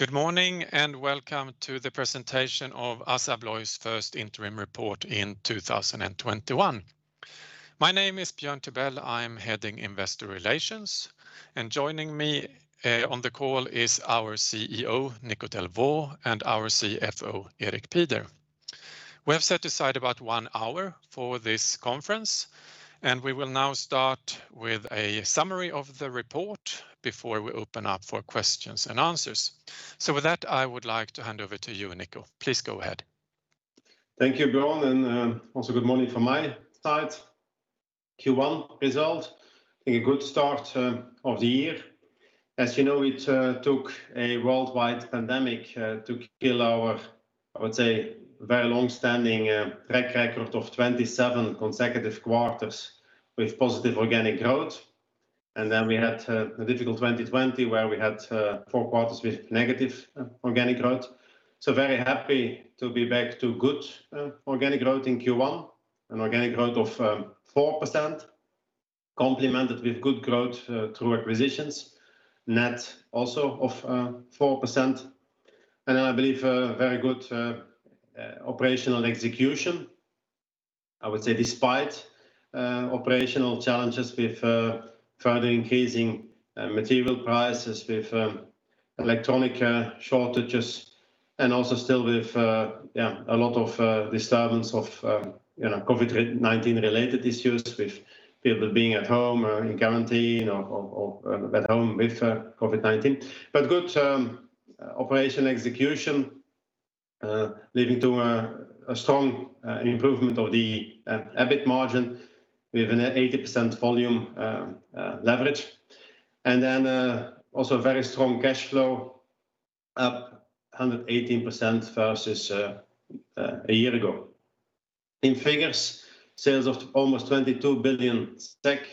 Good morning, and welcome to the presentation of ASSA ABLOY's first interim report in 2021. My name is Björn Tibell. I'm heading investor relations, and joining me on the call is our CEO, Nico Delvaux, and our CFO, Erik Pieder. We have set aside about one hour for this conference, and we will now start with a summary of the report before we open up for questions and answers. With that, I would like to hand over to you, Nico. Please go ahead. Thank you, Björn, and also good morning from my side. Q1 result, I think a good start of the year. As you know, it took a worldwide pandemic to kill our very long-standing track record of 27 consecutive quarters with positive organic growth. We had a difficult 2020, where we had four quarters with negative organic growth. Very happy to be back to good organic growth in Q1, an organic growth of 4%, complemented with good growth through acquisitions, net also of 4%. I believe very good operational execution, I would say, despite operational challenges with further increasing material prices, with electronic shortages, and also still with a lot of disturbance of COVID-19-related issues, with people being at home in quarantine or at home with COVID-19. Good operational execution, leading to a strong improvement of the EBIT margin. We have an 80% volume leverage. Also, very strong cash flow, up 118% versus a year ago. In figures, sales of almost 22 billion SEK,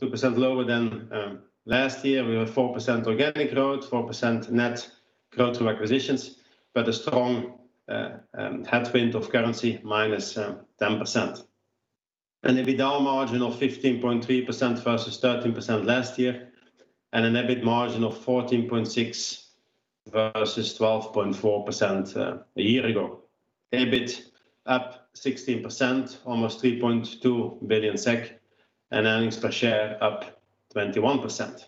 2% lower than last year. We have 4% organic growth, 4% net growth through acquisitions, a strong headwind of currency -10%. An EBITDA margin of 15.3% versus 13% last year, an EBIT margin of 14.6% versus 12.4% a year ago. EBIT up 16%, almost 3.2 billion SEK, earnings per share up 21%.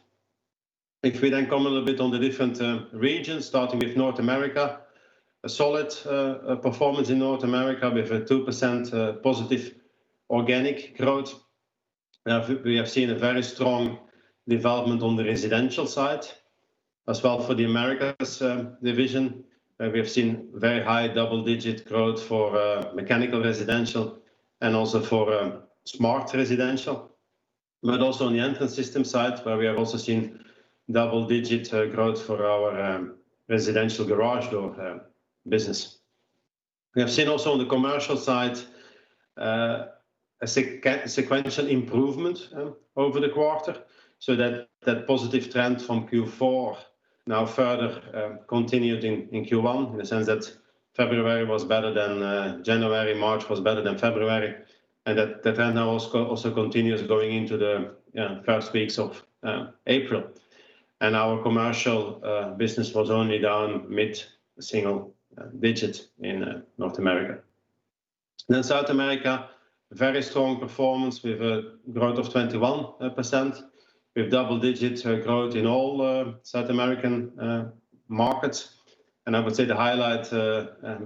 If we come a little bit on the different regions, starting with North America, a solid performance in North America with a 2% positive organic growth. We have seen a very strong development on the residential side as well for the Americas division, where we have seen very high double-digit growth for mechanical residential and also for smart residential, but also on the Entrance Systems side, where we have also seen double-digit growth for our residential garage door business. That positive trend from Q4 now further continued in Q1 in the sense that February was better than January, March was better than February, that trend now also continues going into the first weeks of April. Our commercial business was only down mid-single digits in North America. South America, very strong performance with a growth of 21%. We have double-digit growth in all South American markets. I would say the highlight,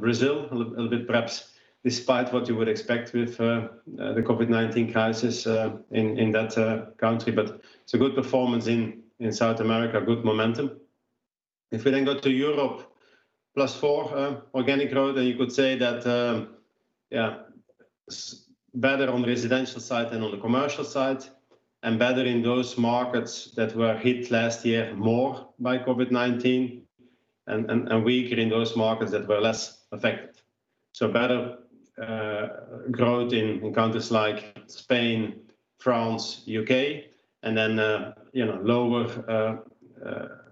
Brazil, a little bit perhaps despite what you would expect with the COVID-19 crisis in that country. It's a good performance in South America, good momentum. If we then go to Europe, +4% organic growth, and you could say that better on the residential side than on the commercial side, and better in those markets that were hit last year more by COVID-19, and weaker in those markets that were less affected. Better growth in countries like Spain, France, U.K., and then lower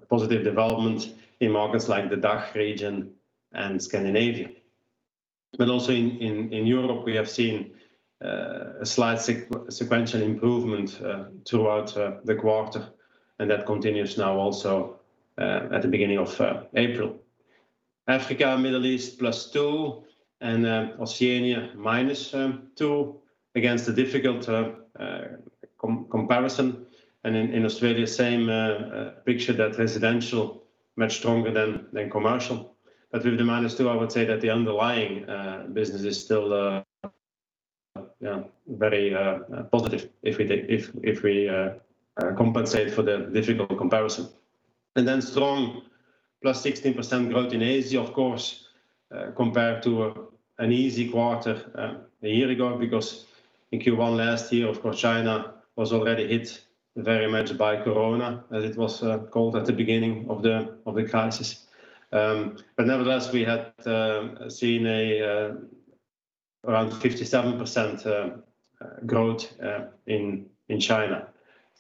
positive development in markets like the DACH region and Scandinavia. Also in Europe, we have seen a slight sequential improvement throughout the quarter, and that continues now also at the beginning of April. Africa, Middle East, +2%, and Oceania, -2%, against a difficult comparison. In Australia, same picture that residential much stronger than commercial. With the -2%, I would say that the underlying business is still very positive if we compensate for the difficult comparison. Strong +16% growth in Asia, of course, compared to an easy quarter a year ago, because in Q1 last year, of course, China was already hit very much by corona, as it was called at the beginning of the crisis. Nevertheless, we had seen around 57% growth in China.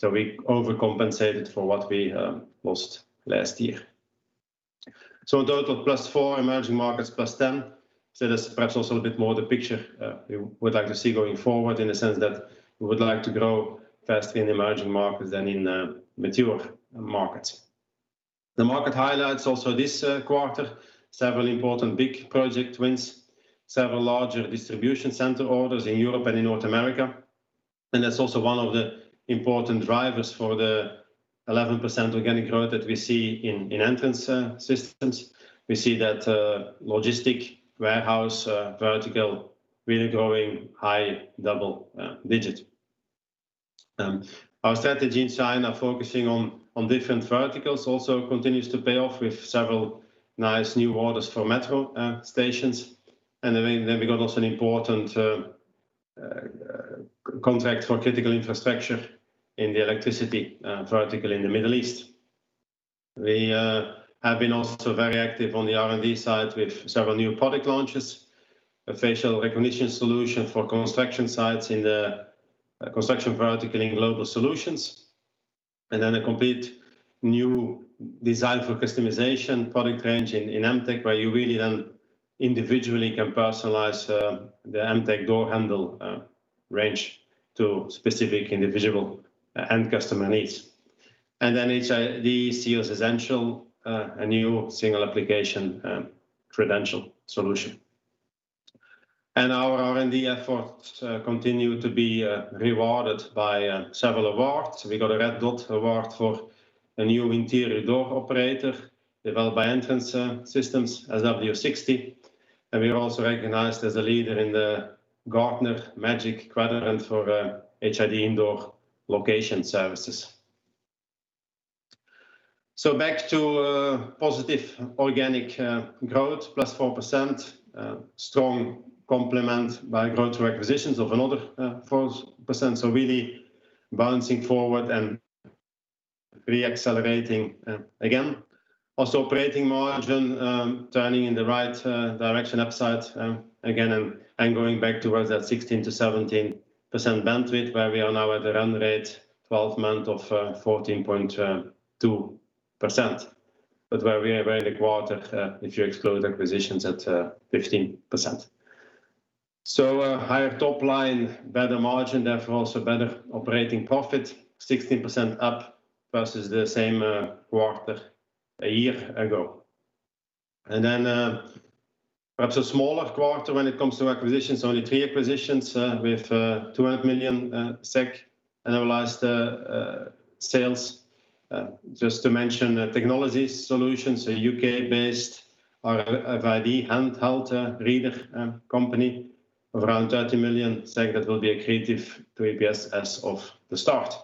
We overcompensated for what we lost last year. A total +4%, emerging markets +10%. That's perhaps also a bit more the picture we would like to see going forward in the sense that we would like to grow faster in emerging markets than in mature markets. The market highlights also this quarter, several important big project wins, several larger distribution center orders in Europe and in North America. That's also one of the important drivers for the 11% organic growth that we see in Entrance Systems. We see that logistic warehouse vertical really growing high double-digit. Our strategy in China, focusing on different verticals, also continues to pay off with several nice new orders for metro stations. We got also an important contract for critical infrastructure in the electricity vertical in the Middle East. We have been also very active on the R&D side with several new product launches, a facial recognition solution for construction sites in the construction vertical in Global Solutions, a complete new design for customization product range in Emtek, where you really then individually can personalize the Emtek door handle range to specific individual end customer needs. HID Origo Essentials, a new single application credential solution. Our R&D efforts continue to be rewarded by several awards. We got a Red Dot Award for a new interior door operator developed by Entrance Systems, SW60, and we are also recognized as a leader in the Gartner Magic Quadrant for HID Indoor Location Services. Back to positive organic growth, +4%, strong complement by growth through acquisitions of another 4%. Really bouncing forward and re-accelerating again. Also, operating margin is turning in the right direction upside again and going back towards that 16%-17% bandwidth where we are now at the run rate 12-month of 14.2%, but where we are in the quarter, if you exclude acquisitions, at 15%. Higher top line, better margin, therefore also better operating profit, 16% up versus the same quarter a year ago. Perhaps a smaller quarter when it comes to acquisitions. Only three acquisitions with 200 million SEK annualized sales. Just to mention Technology Solutions, a U.K.-based RFID handheld reader company of around 30 million that will be accretive to EPS as of the start.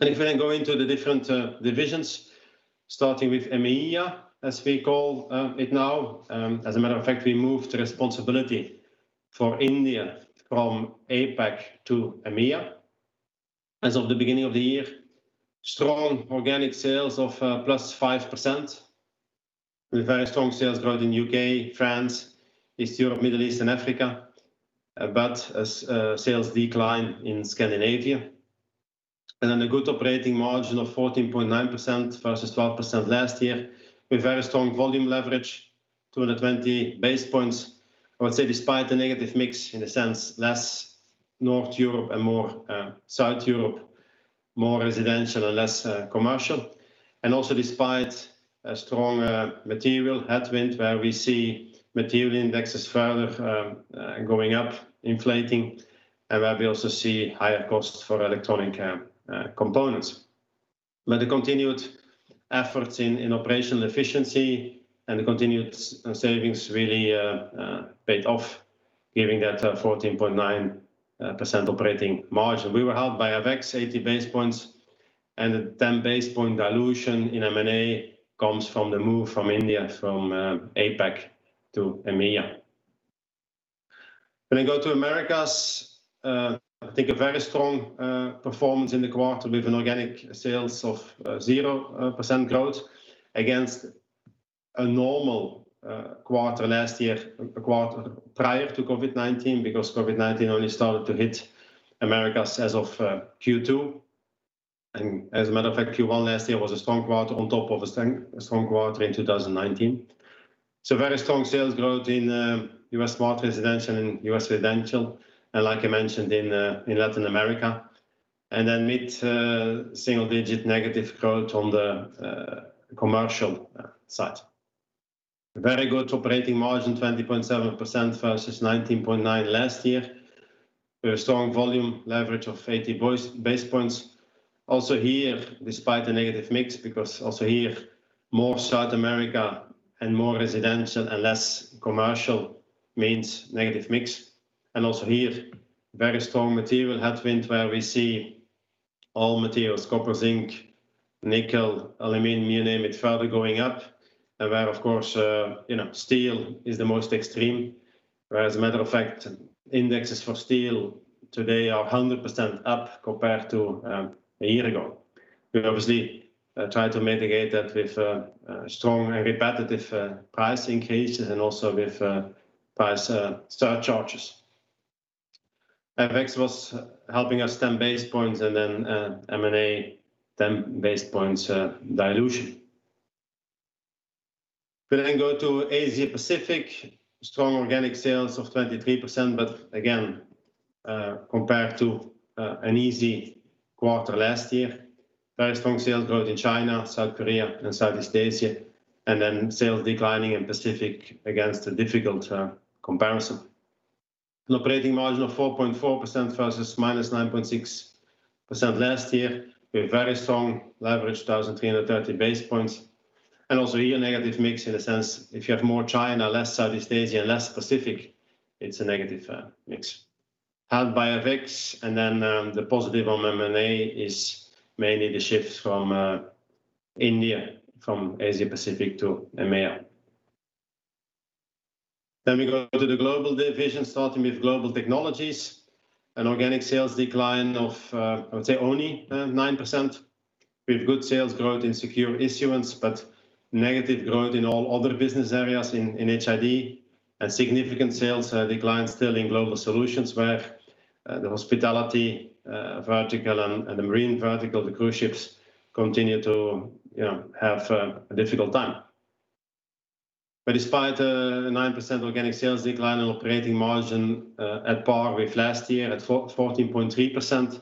If we then go into the different divisions, starting with EMEA, as we call it now. As a matter of fact, we moved responsibility for India from APAC to EMEA as of the beginning of the year. Strong organic sales of +5%, with very strong sales growth in U.K., France, East Europe, Middle East, and Africa. A sales decline in Scandinavia. Then a good operating margin of 14.9% versus 12% last year, with very strong volume leverage, 220 basis points, I would say despite the negative mix in the sense less North Europe and more South Europe, more residential and less commercial. Despite a strong material headwind, where we see material indexes further going up, inflating, and where we also see higher costs for electronic components. The continued efforts in operational efficiency and the continued savings really paid off, giving that 14.9% operating margin. We were helped by FX 80 basis points and a 10-basis point dilution in M&A comes from the move from India from APAC to EMEA. When I go to Americas, I think a very strong performance in the quarter with an organic sale of 0% growth against a normal quarter last year, a quarter prior to COVID-19, because COVID-19 only started to hit Americas as of Q2. As a matter of fact, Q1 last year was a strong quarter on top of a strong quarter in 2019. Very strong sales growth in U.S. multi-residential and U.S. residential, and like I mentioned in Latin America. Mid single-digit negative growth on the commercial side. Very good operating margin, 20.7% versus 19.9% last year, with a strong volume leverage of 80 basis points. Despite the negative mix, because also here, more South America and more residential and less commercial means negative mix. Very strong material headwind where we see all materials, copper, zinc, nickel, aluminum, you name it, further going up. Where, of course, steel is the most extreme, where as a matter of fact, indexes for steel today are 100% up compared to a year ago. We obviously try to mitigate that with strong and repetitive pricing cases and also with price surcharges. FX was helping us 10 basis points and then M&A 10 basis points dilution. We go to Asia Pacific. Strong organic sales of 23%, again, compared to an easy quarter last year. Very strong sales growth in China, South Korea, and Southeast Asia. Sales declining in Pacific against a difficult comparison. An operating margin of 4.4% versus -9.6% last year with very strong leverage, 1,330 basis points. Also here negative mix in a sense if you have more China, less Southeast Asia, and less Pacific, it's a negative mix. Halved by FX, then the positive on M&A is mainly the shifts from India, from Asia Pacific to EMEA. We go to the global division, starting with Global Technologies. An organic sales decline of, I would say, only 9% with good sales growth in Secure Issuance, but negative growth in all other business areas in HID. Significant sales decline still in Global Solutions, where the hospitality vertical and the marine vertical, the cruise ships continue to have a difficult time. Despite a 9% organic sales decline and operating margin at par with last year at 14.3%,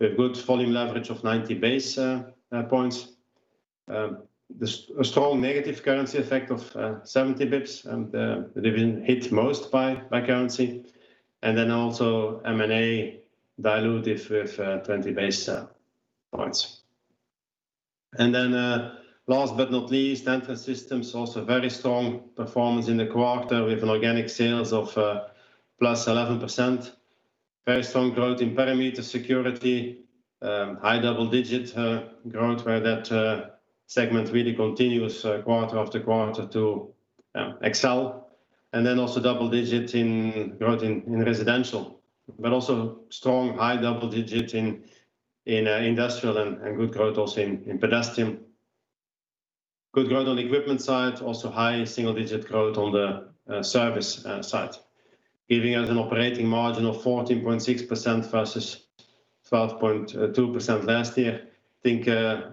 we have good volume leverage of 90 basis points. A strong negative currency effect of 70 basis points, and they've been hit most by currency. Also, M&A dilutive with 20 basis points. Last but not least, Entrance Systems also very strong performance in the quarter with organic sales of +11%. Very strong growth in perimeter security. High double-digit growth where that segment really continues quarter after quarter to excel. Also, double digits in growth in residential, but also strong high double digit in industrial and good growth also in pedestrian. Good growth on the equipment side, also high single-digit growth on the service side, giving us an operating margin of 14.6% versus 12.2% last year. I think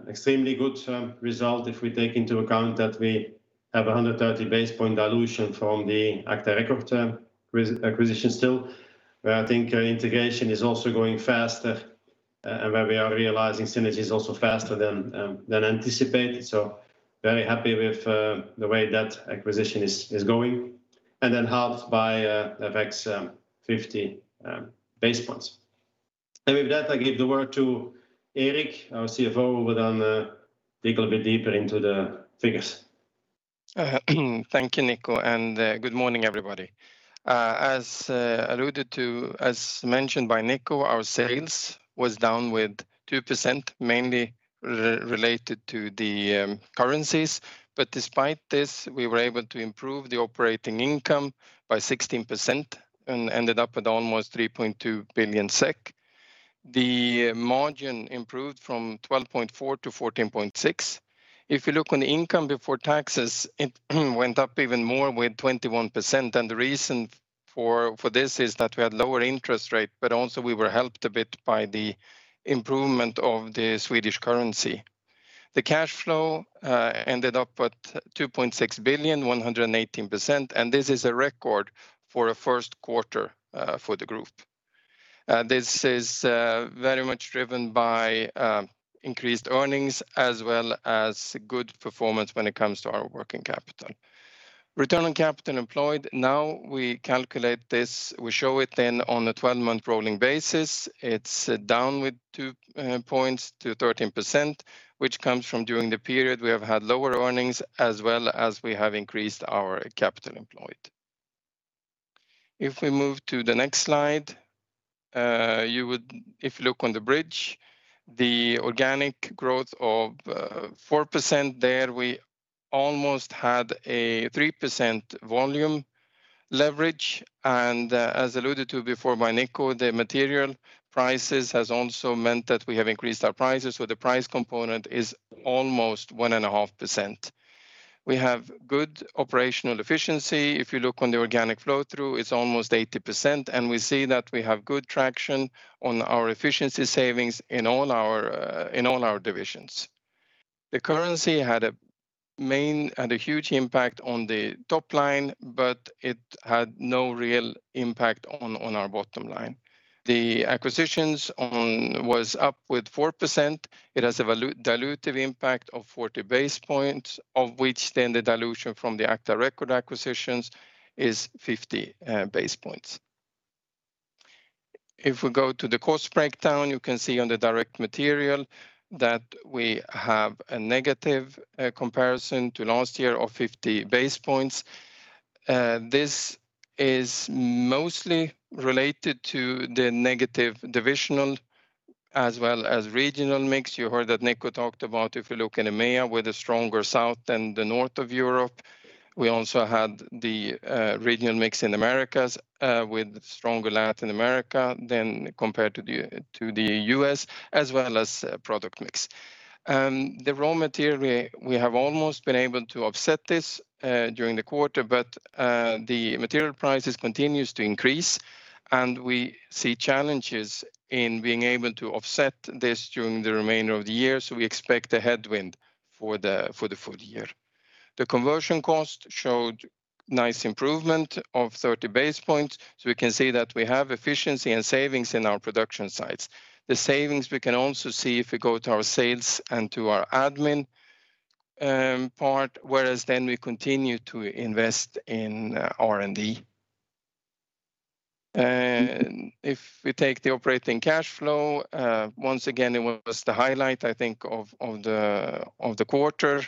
extremely good result if we take into account that we have 130 basis point dilution from the agta record acquisition still, where I think integration is also going faster and where we are realizing synergies also faster than anticipated. Very happy with the way that acquisition is going. Halved by FX 50 basis points. I give the word to Erik, our CFO, who will then dig a little bit deeper into the figures. Thank you, Nico, and good morning, everybody. As mentioned by Nico, our sales was down with 2%, mainly related to the currencies. Despite this, we were able to improve the operating income by 16% and ended up with almost 3.2 billion SEK. The margin improved from 12.4% to 14.6%. If you look on the income before taxes, it went up even more with 21%, and the reason for this is that we had lower interest rate, but also we were helped a bit by the improvement of the Swedish currency. The cash flow ended up at 2.6 billion, 118%, and this is a record for a first quarter for the group. This is very much driven by increased earnings as well as good performance when it comes to our working capital. Return on capital employed. Now we calculate this. We show it then on a 12-month rolling basis. It's down with two points to 13%, which comes from during the period we have had lower earnings as well as we have increased our capital employed. If we move to the next slide, if you look on the bridge, the organic growth of 4% there, we almost had a 3% volume leverage. As alluded to before by Nico, the material prices has also meant that we have increased our prices, so the price component is almost 1.5%. We have good operational efficiency. If you look on the organic flow-through, it's almost 80%, and we see that we have good traction on our efficiency savings in all our divisions. The currency had a huge impact on the top line, but it had no real impact on our bottom line. The acquisitions was up with 4%. It has a dilutive impact of 40 basis points, of which then the dilution from the agta record acquisitions is 50 basis points. If we go to the cost breakdown, you can see on the direct material that we have a negative comparison to last year of 50 basis points. This is mostly related to the negative divisional as well as regional mix. You heard that Nico talked about if you look in EMEA with a stronger south than the north of Europe. We also had the regional mix in Americas with stronger Latin America than compared to the U.S. as well as product mix. The raw material, we have almost been able to offset this during the quarter, but the material prices continue to increase, and we see challenges in being able to offset this during the remainder of the year. We expect a headwind for the full year. The conversion cost showed nice improvement of 30 basis points. We can see that we have efficiency and savings in our production sites. The savings we can also see if we go to our sales and to our admin part, whereas then we continue to invest in R&D. If we take the operating cash flow, once again, it was the highlight, I think, of the quarter.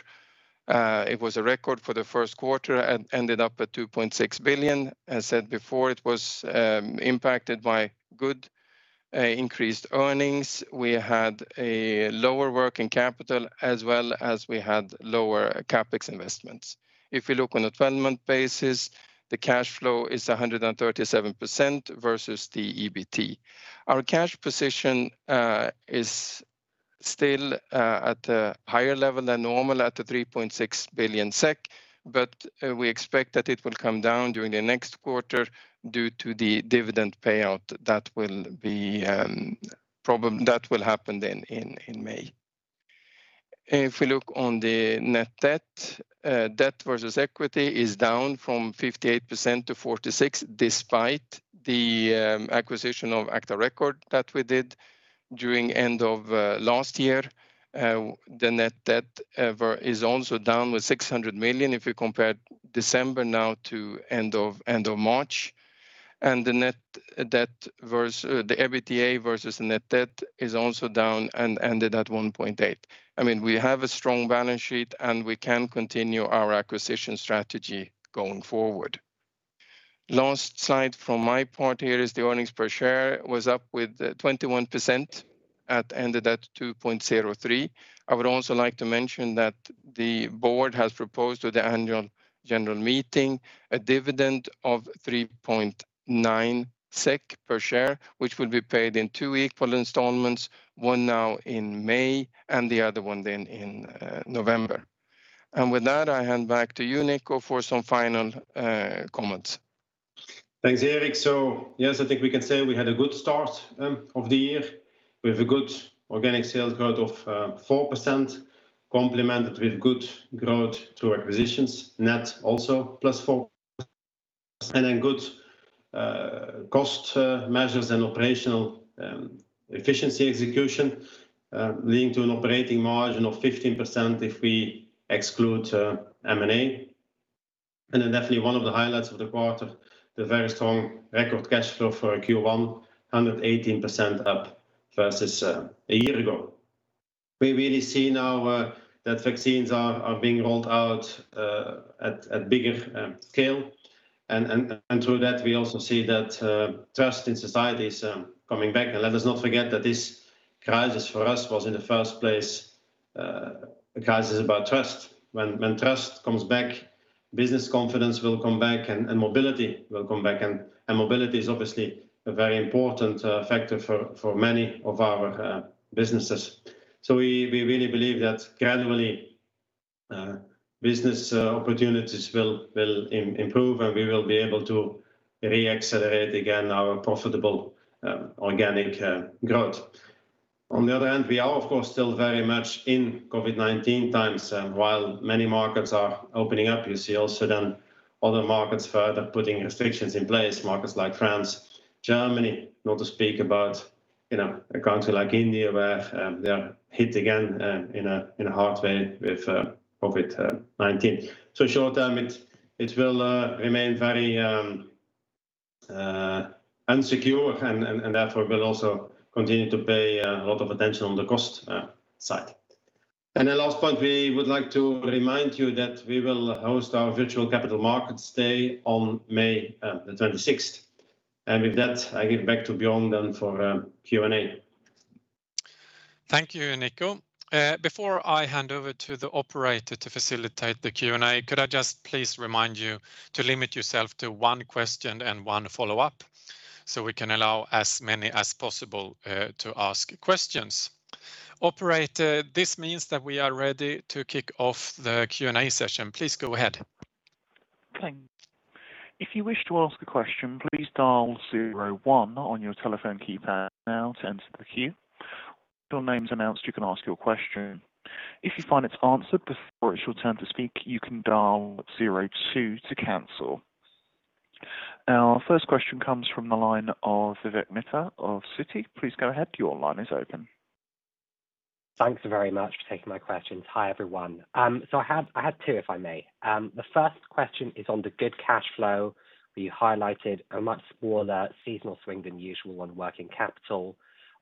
It was a record for the first quarter. Ended up at 2.6 billion. As said before, it was impacted by good increased earnings. We had a lower working capital as well as we had lower CapEx investments. If we look on a 12-month basis, the cash flow is 137% versus the EBT. Our cash position is still at a higher level than normal at 3.6 billion SEK, we expect that it will come down during the next quarter due to the dividend payout. That will happen in May. If we look on the net debt versus equity is down from 58% to 46%, despite the acquisition of agta record that we did during end of last year. The net debt is also down with 600 million if we compare December now to end of March. The EBITDA versus net debt is also down and ended at 1.8. We have a strong balance sheet, we can continue our acquisition strategy going forward. Last slide from my point here is the earnings per share was up with 21% at end of that 2.03. I would also like to mention that the board has proposed to the annual general meeting a dividend of 3.9 SEK per share, which will be paid in two equal installments, one now in May and the other one then in November. With that, I hand back to you, Nico, for some final comments. Thanks, Erik. Yes, I think we can say we had a good start of the year with a good organic sales growth of 4%, complemented with good growth through acquisitions. Net also +4%, good cost measures and operational efficiency execution, leading to an operating margin of 15% if we exclude M&A. Definitely one of the highlights of the quarter, the very strong record cash flow for Q1, 118% up versus a year ago. We really see now that vaccines are being rolled out at bigger scale, and through that, we also see that trust in society is coming back. Let us not forget that this crisis for us was in the first place a crisis about trust. When trust comes back, business confidence will come back, and mobility will come back. Mobility is obviously a very important factor for many of our businesses. We really believe that gradually, business opportunities will improve, and we will be able to re-accelerate again our profitable organic growth. On the other hand, we are of course still very much in COVID-19 times. While many markets are opening up, you see also then other markets further putting restrictions in place, markets like France, Germany, not to speak about a country like India, where they are hit again in a hard way with COVID-19. Short term, it will remain very insecure and therefore we'll also continue to pay a lot of attention on the cost side. The last point, we would like to remind you that we will host our virtual capital markets day on May 26th. With that, I give back to Björn then for Q&A. Thank you, Nico. Before I hand over to the operator to facilitate the Q&A, could I just please remind you to limit yourself to one question and one follow-up so we can allow as many as possible to ask questions? Operator, this means that we are ready to kick off the Q&A session. Please go ahead. Thanks. If you wish to ask a question, please dial zero one on your telephone keypad now to enter the queue. Your name's announced, you can ask your question. If you find it's answered before it's your turn to speak, you can dial zero two to cancel. Our first question comes from the line of Vivek Midha of Citi. Please go ahead. Your line is open. Thanks very much for taking my questions. Hi, everyone. I have two, if I may. The first question is on the good cash flow, where you highlighted a much smaller seasonal swing than usual on working capital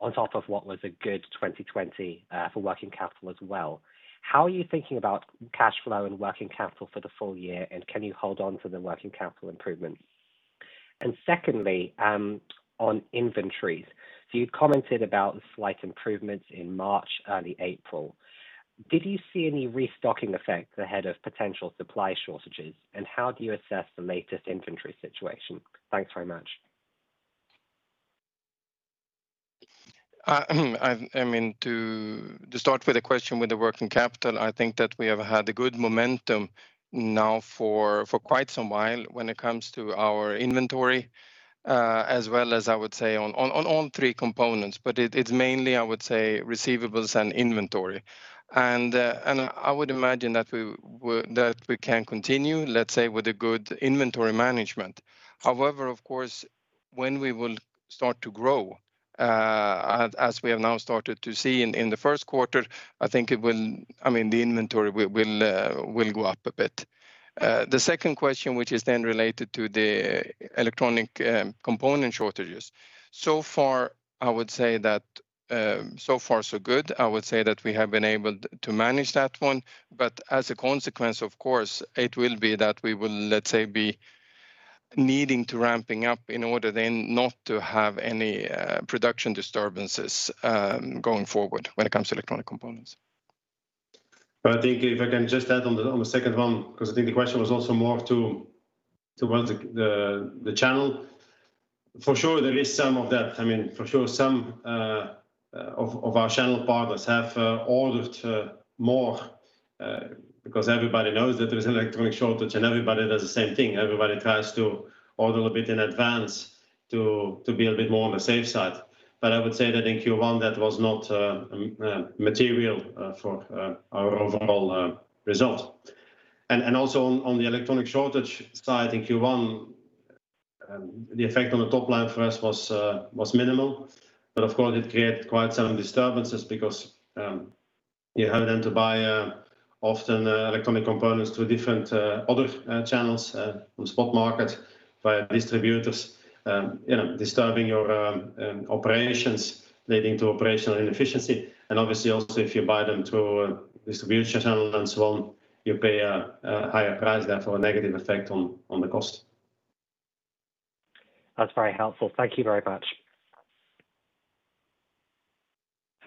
on top of what was a good 2020 for working capital as well. How are you thinking about cash flow and working capital for the full year, and can you hold on to the working capital improvement? Secondly, on inventories. You commented about slight improvements in March and early April. Did you see any restocking effect ahead of potential supply shortages, and how do you assess the latest inventory situation? Thanks very much. To start with the question with the working capital, I think that we have had a good momentum now for quite some while when it comes to our inventory, as well as I would say on all three components. It's mainly, I would say, receivables and inventory. I would imagine that we can continue, let's say, with good inventory management. However, of course, when we will start to grow, as we have now started to see in the first quarter, the inventory will go up a bit. The second question, which is then related to the electronic component shortages. So far so good. I would say that we have been able to manage that one, but as a consequence, of course, it will be that we will, let's say, be needing to ramping up in order then not to have any production disturbances going forward when it comes to electronic components. I think if I can just add on the second one, because I think the question was also more towards the channel. For sure there is some of that. For sure, some of our channel partners have ordered more because everybody knows that there is electronic shortage and everybody does the same thing. Everybody tries to order a bit in advance to be a bit more on the safe side. I would say that in Q1 that was not material for our overall result. Also on the electronic shortage side in Q1, the effect on the top line for us was minimal. Of course, it created quite some disturbances because you have then to buy often electronic components through different other channels, on spot market, via distributors, disturbing your operations, leading to operational inefficiency. Obviously also if you buy them through a distribution channel and so on, you pay a higher price, therefore a negative effect on the cost. That's very helpful. Thank you very much.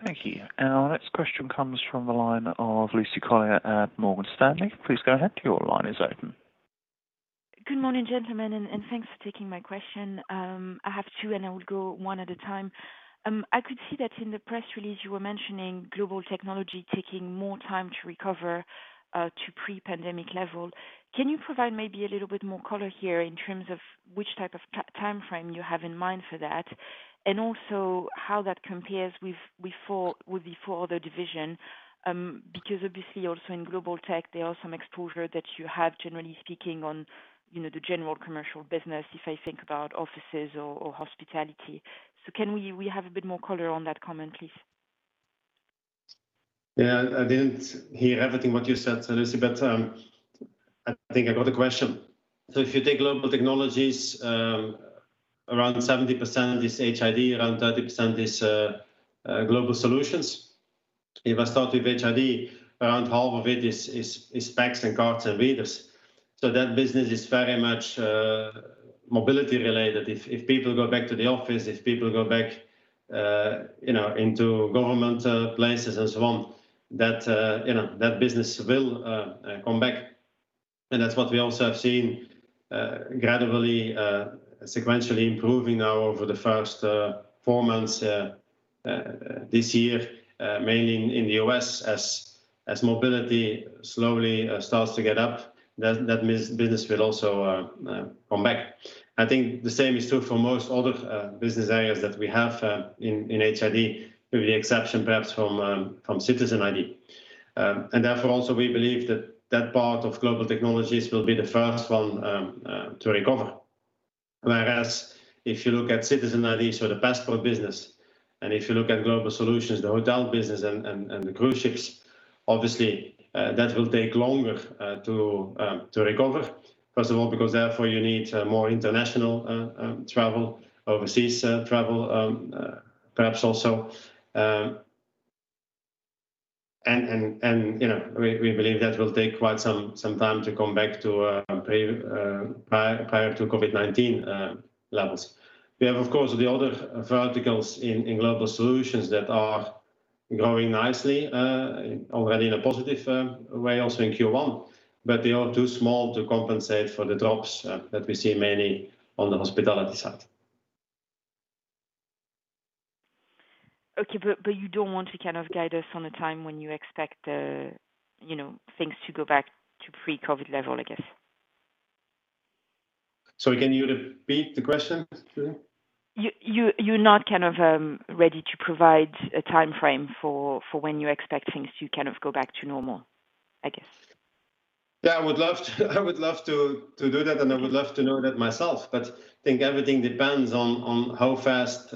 Thank you. Our next question comes from the line of Lucie Carrier at Morgan Stanley. Please go ahead. Good morning, gentlemen, and thanks for taking my question. I have two, and I would go one at a time. I could see that in the press release, you were mentioning Global Technologies taking more time to recover to pre-pandemic level. Can you provide maybe a little bit more color here in terms of which type of timeframe you have in mind for that, and also how that compares with the four other division? Obviously, also in Global Tech, there are some exposures that you have, generally speaking, on the general commercial business, if I think about offices or hospitality. Can we have a bit more color on that comment, please? I didn't hear everything what you said, Lucie, but I think I got the question. If you take Global Technologies, around 70% is HID, around 30% is Global Solutions. If I start with HID, around half of it is PACS and cards and readers. That business is very much mobility related. If people go back to the office, if people go back into government places and so on, that business will come back. That's what we also have seen gradually, sequentially improving now over the first four months this year mainly in the U.S. as mobility slowly starts to get up. That business will also come back. I think the same is true for most other business areas that we have in HID, with the exception perhaps from Citizen ID. Therefore also we believe that that part of Global Technologies will be the first one to recover. Whereas if you look at Citizen ID, so the passport business, and if you look at Global Solutions, the hotel business and the cruise ships, obviously, that will take longer to recover. First of all, because therefore you need more international travel, overseas travel perhaps also. We believe that will take quite some time to come back to prior to COVID-19 levels. We have, of course, the other verticals in Global Solutions that are growing nicely already in a positive way also in Q1, but they are too small to compensate for the drops that we see mainly on the hospitality side. Okay, you don't want to kind of guide us on a time when you expect things to go back to pre-COVID level, I guess? Sorry, can you repeat the question? You're not kind of ready to provide a timeframe for when you expect things to kind of go back to normal, I guess. Yeah, I would love to do that, and I would love to know that myself. I think everything depends on how fast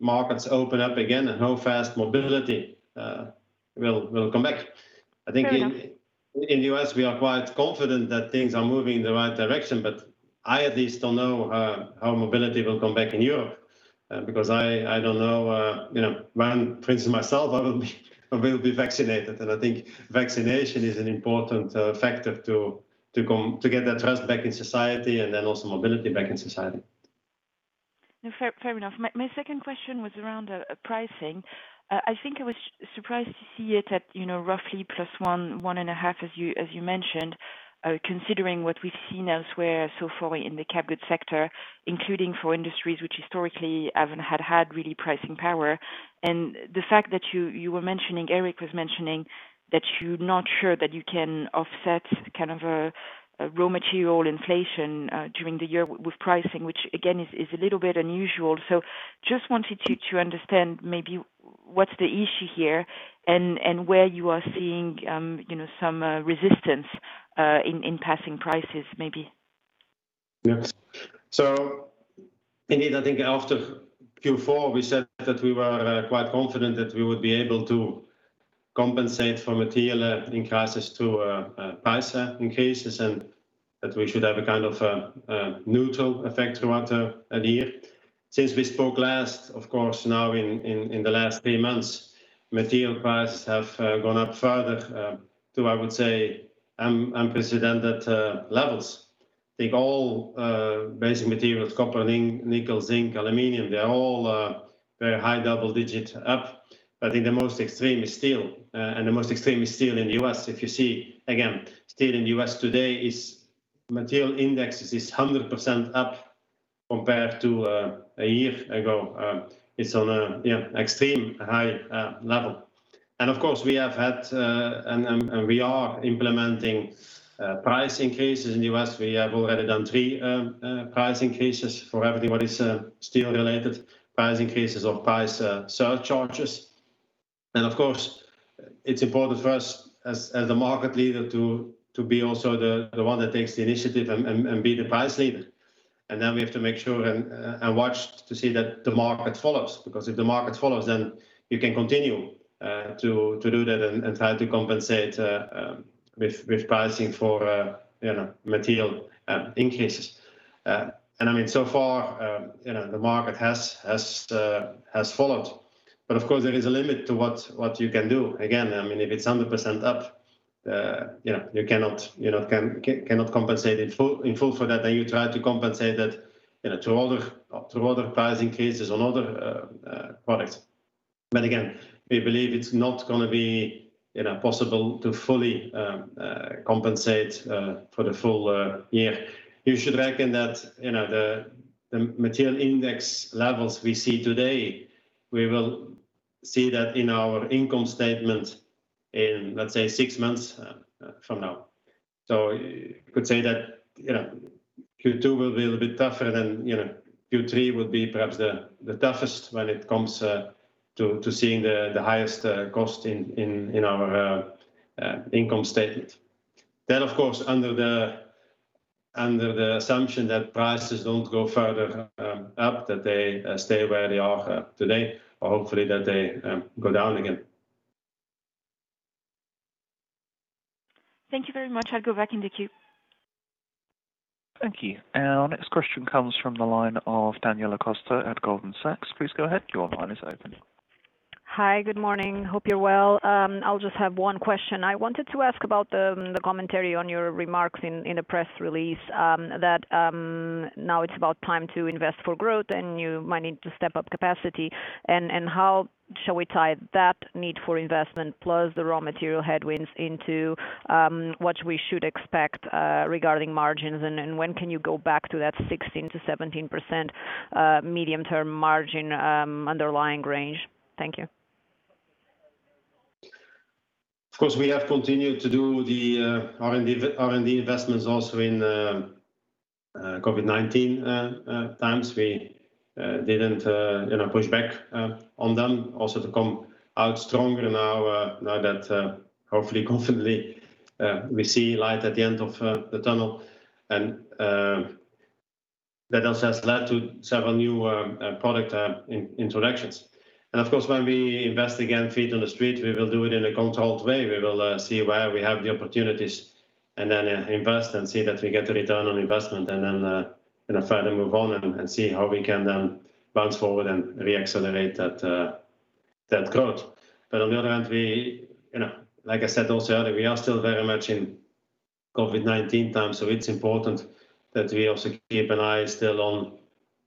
markets open up again and how fast mobility will come back. Fair enough. I think in the U.S., we are quite confident that things are moving in the right direction, but I at least don't know how mobility will come back in Europe because I don't know when Erik and myself will be vaccinated. I think vaccination is an important factor to get that trust back in society and then also mobility back in society. No, fair enough. My second question was around pricing. I think I was surprised to see it at roughly +1.5 as you mentioned, considering what we've seen elsewhere so far in the Capital Goods sector, including for industries which historically haven't had really pricing power. The fact that Erik was mentioning that you're not sure that you can offset kind of a raw material inflation during the year with pricing, which again is a little bit unusual. Just wanted to understand. What's the issue here, and where you are seeing some resistance in passing prices, maybe? Yes. Indeed, I think after Q4, we said that we were quite confident that we would be able to compensate for material increases to price increases, and that we should have a kind of neutral effect throughout the year. Since we spoke last, of course, now in the last three months, material prices have gone up further to, I would say, unprecedented levels. Take all basic materials, copper, nickel, zinc, aluminum, they're all very high double-digit up. I think the most extreme is steel, and the most extreme is steel in the U.S. If you see again, steel in the U.S. today is material index is 100% up compared to a year ago. It's on an extreme high level. Of course, we are implementing price increases in the U.S. We have already done three price increases for everybody's steel-related price increases or price surcharges. Of course, it's important for us as the market leader to be also the one that takes the initiative and be the price leader. We have to make sure and watch to see that the market follows, because if the market follows, then you can continue to do that and try to compensate with pricing for material increases. So far, the market has followed. Of course, there is a limit to what you can do. Again, if it's 100% up, you cannot compensate in full for that. You try to compensate that through other price increases on other products. Again, we believe it's not going to be possible to fully compensate for the full year. You should reckon that the material index levels we see today, we will see that in our income statement in, let's say, six months from now. You could say that Q2 will be a little bit tougher than Q3 will be perhaps the toughest when it comes to seeing the highest cost in our income statement. Of course, under the assumption that prices don't go further up, that they stay where they are today, or hopefully that they go down again. Thank you very much. I'll go back in the queue. Thank you. Our next question comes from the line of Daniela Costa at Goldman Sachs. Please go ahead. Hi, good morning. Hope you're well. I'll just have one question. I wanted to ask about the commentary on your remarks in the press release that now it's about time to invest for growth, and you might need to step up capacity. How shall we tie that need for investment plus the raw material headwinds into what we should expect regarding margins? When can you go back to that 16%-17% medium-term margin underlying range? Thank you. Of course, we have continued to do the R&D investments also in COVID-19 times. We didn't push back on them also to come out stronger now that hopefully, confidently, we see light at the end of the tunnel. That also has led to several new product introductions. Of course, when we invest again feet on the street, we will do it in a controlled way. We will see where we have the opportunities and then invest and see that we get a return on investment and then further move on and see how we can then bounce forward and re-accelerate that growth. On the other hand, like I said also earlier, we are still very much in COVID-19 times, it's important that we also keep an eye still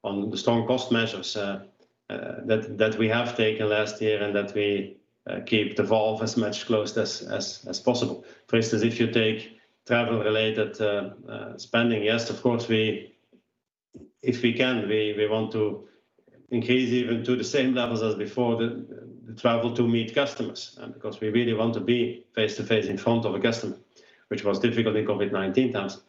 on the strong cost measures that we have taken last year and that we keep the valve as much closed as possible. For instance, if you take travel-related spending, yes, of course, if we can, we want to increase even to the same levels as before the travel to meet customers. We really want to be face-to-face in front of a customer, which was difficult in COVID-19 times.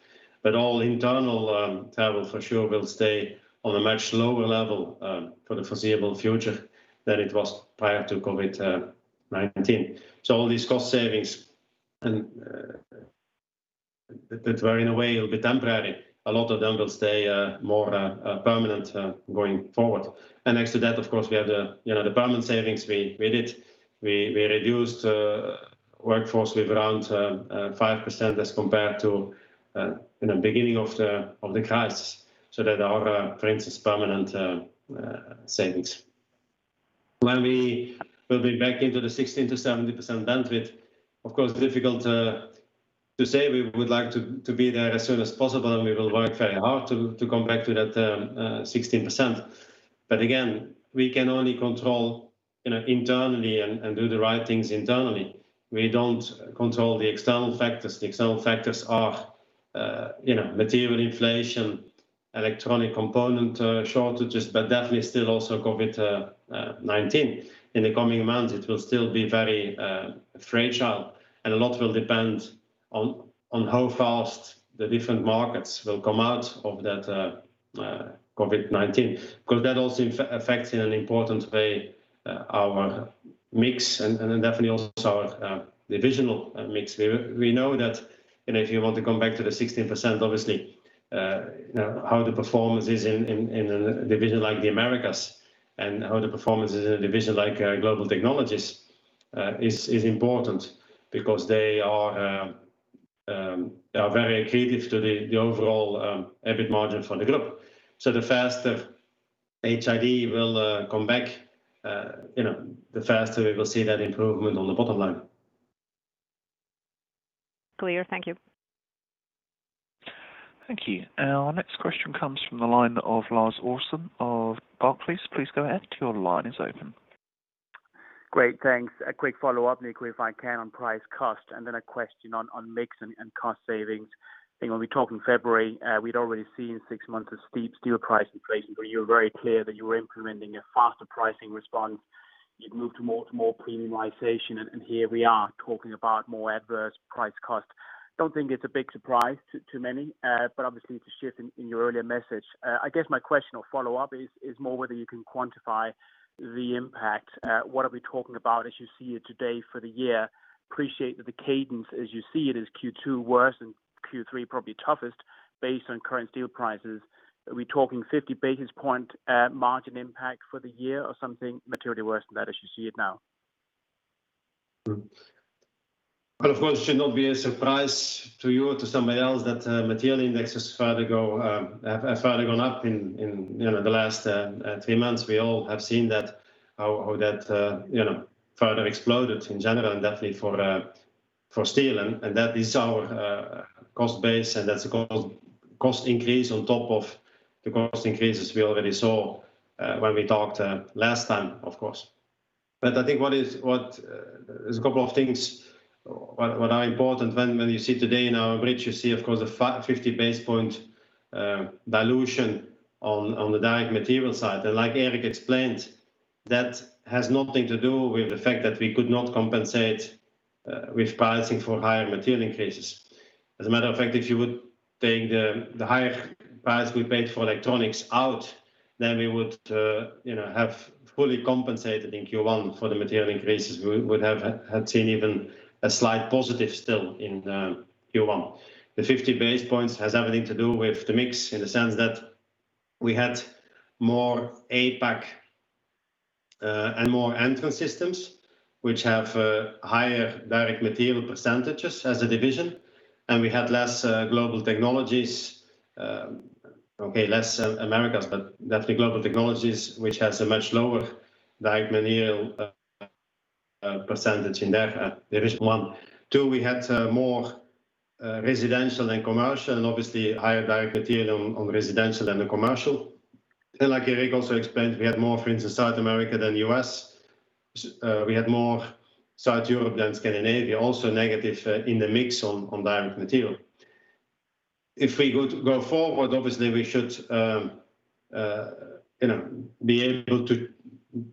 All internal travel for sure will stay on a much lower level for the foreseeable future than it was prior to COVID-19. All these cost savings that were in a way a little bit temporary, a lot of them will stay more permanent going forward. Next to that, of course, we have the permanent savings we did. We reduced workforce with around 5% as compared to the beginning of the crisis so that our frames is permanent savings. When we will be back into the 16%-17% bandwidth, of course, difficult to say. We would like to be there as soon as possible, and we will work very hard to come back to that 16%. Again, we can only control internally and do the right things internally. We don't control the external factors. The external factors are material inflation, electronic component shortages, but definitely still also COVID-19. In the coming months, it will still be very fragile, and a lot will depend on how fast the different markets will come out of that COVID-19. That also affects, in an important way, our mix and definitely also our divisional mix. We know that if you want to come back to the 16%, obviously, how the performance is in a division like the Americas and how the performance is in a division like Global Technologies is important because they are very accretive to the overall EBIT margin for the group. The faster HID will come back, the faster we will see that improvement on the bottom line. Clear. Thank you. Thank you. Our next question comes from the line of Lars Brorson of Barclays. Please go ahead. Your line is open. Great, thanks. A quick follow-up, Nico, if I can, on price cost and then a question on mix and cost savings. I think when we talked in February, we'd already seen six months of steep steel price inflation, you were very clear that you were implementing a faster pricing response. You'd moved more to more premiumization, here we are talking about more adverse price cost. Don't think it's a big surprise to many, obviously, it's a shift in your earlier message. I guess my question or follow-up is more whether you can quantify the impact. What are we talking about as you see it today for the year? Appreciate that the cadence, as you see it is Q2 worse and Q3 probably toughest based on current steel prices. Are we talking 50 basis point margin impact for the year or something materially worse than that as you see it now? Well, of course, it should not be a surprise to you or to somebody else that material indexes have further gone up in the last three months. We all have seen that, how that further exploded in general, definitely for steel, that is our cost base, and that's a cost increase on top of the cost increases we already saw when we talked last time, of course. I think there's a couple of things what are important. When you see today in our bridge, you see, of course, a 50 basis point dilution on the direct material side. Like Erik explained, that has nothing to do with the fact that we could not compensate with pricing for higher material increases. As a matter of fact, if you would take the higher price we paid for electronics out, then we would have fully compensated in Q1 for the material increases. We would have seen even a slight positive still in Q1. The 50 basis points has everything to do with the mix in the sense that we had more APAC and more Entrance Systems, which have higher direct material percentages as a division, and we had less Global Technologies. Definitely Americas, Global Technologies, which has a much lower direct material percentage in there. There is one. Two, we had more residential and commercial and obviously higher direct material on residential than the commercial. Like Erik also explained, we had more friends in South America than U.S. We had more South Europe than Scandinavia, also negative in the mix on direct material. If we go forward, obviously, we should be able to